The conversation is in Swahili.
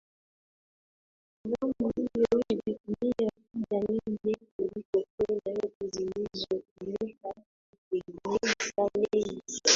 filamu hiyo ilitumia fedha nyingi kuliko fedha zilizotumika kutengeneza meli